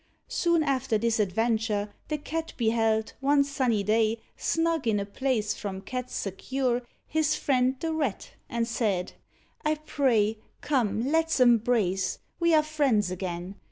Soon after this adventure The Cat beheld, one sunny day, Snug in a place from cats secure, His friend the Rat, and said, "I pray, Come, let's embrace, we are friends again.